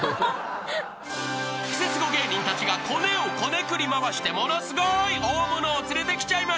［クセスゴ芸人たちがコネをこねくり回してものすごい大物を連れてきちゃいました］